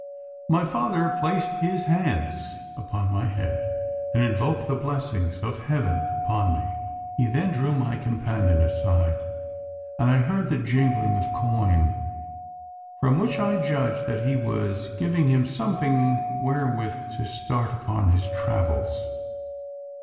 My father placed his hands upon my head and invoked the blessing of Heaven upon me. He then drew my companion aside, and I heard the jingling of coin, from which I judge that he was giving him something wherewith to start upon his travels.